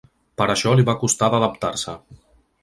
Per això li va costar d’adaptar-se.